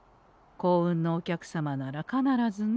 幸運のお客様なら必ずね。